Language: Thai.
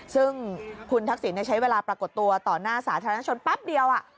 ซึ่งคุณทักษิณใช้เวลาปรากฏตัวต่อหน้าสาธารณชนแป๊บเดียว